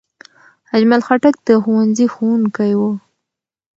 اجمل خټک د ښوونځي ښوونکی و.